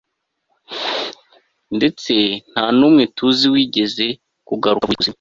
ndetse nta n'umwe tuzi wigeze kugaruka avuye ikuzimu